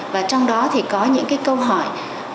và trong đó thì có những cái câu hỏi